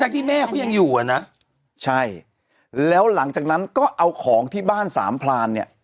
ที่แม่เขายังอยู่อ่ะนะใช่แล้วหลังจากนั้นก็เอาของที่บ้านสามพลานเนี่ย